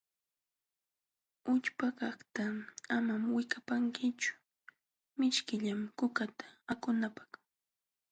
Ućhpakaqta amam wikapankichu, mishkillam kukata akunapq.